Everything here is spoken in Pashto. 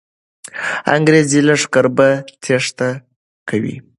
انګریزي لښکر به تېښته کوي.